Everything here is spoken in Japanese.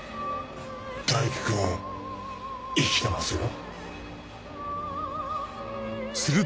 大樹君生きてますよ。